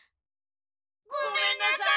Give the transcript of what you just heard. ごめんなさい！